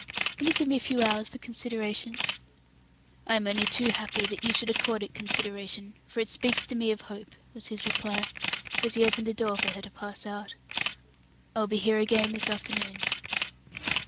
"Will you give me a few hours for consideration?" "I am only too happy that you should accord it consideration, for it speaks to me of hope," was his reply, as he opened the door for her to pass out. "I will be here again this afternoon."